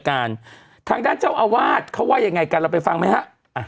ทางด้านเจ้าอาวาสเขาว่ายังไงกันเราไปฟังไหมฮะอ่ะ